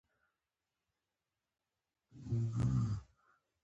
د ګل خانې ماڼۍ په اطاق کې ورسره وروستۍ مکالمه وه.